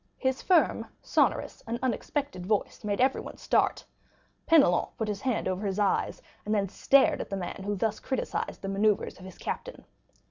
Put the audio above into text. His firm, sonorous, and unexpected voice made everyone start. Penelon put his hand over his eyes, and then stared at the man who thus criticized the manœuvres of his captain.